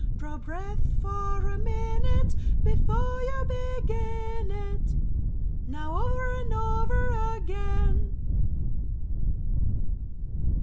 Draw breath for a minute before you begin it— Now, over, and over again!